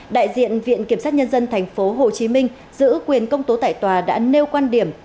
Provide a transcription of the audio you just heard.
đại diện viện kiểm sát nhân dân tp hcm giữ quyền công tố tại tòa đã nêu quan điểm